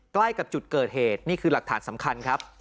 ใกล้กับจุดเกิดเหตุนี่คือหลักฐานสำคัญครับ